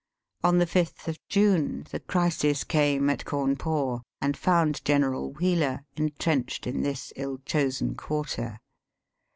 On the 6th of June the crisis came at Cawnpore, and found General Wheeler entrenched in this ill chosen quarter.